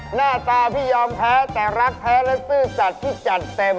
หน้าตาพี่ยอมแพ้แต่รักแท้และซื่อสัตว์พี่จัดเต็ม